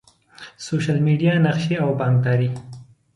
سوشل میډیا، نقشي او بانکداری